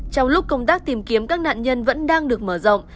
trong lúc công tác tìm kiếm các nạn nhân vẫn đang được mở rộng